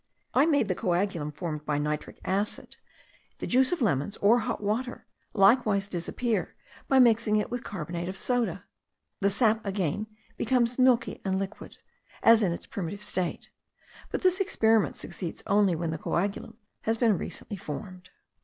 I made the coagulum formed by nitric acid, the juice of lemons, or hot water, likewise disappear by mixing it with carbonate of soda. The sap again becomes milky and liquid, as in its primitive state; but this experiment succeeds only when the coagulum has been recently formed.